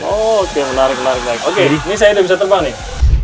oke menarik menarik oke ini saya udah bisa terbang nih